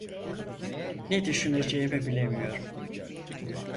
Ne düşüneceğimi bilemiyorum.